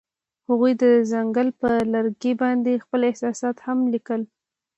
هغوی د ځنګل پر لرګي باندې خپل احساسات هم لیکل.